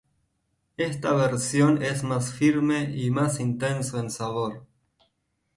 Esta versión es más firme y es más intenso en sabor.